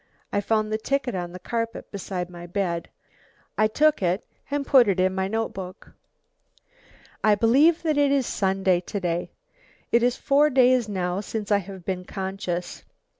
I found the ticket on the carpet beside my bed. I took it and put it in my notebook!!!!! "I believe that it is Sunday to day. It is four days now since I have been conscious.